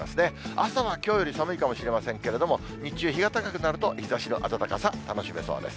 朝はきょうより寒いかもしれませんけれども、日中、日が高くなると、日ざしの暖かさ、楽しめそうです。